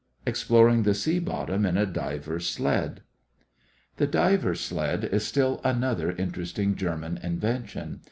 EXPLORING THE SEA BOTTOM IN A DIVER'S SLED The diver's sled is still another interesting German invention.